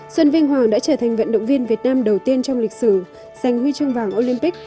xuân vinh hoàng đã trở thành vận động viên việt nam đầu tiên trong lịch sử giành huy chương vàng olympic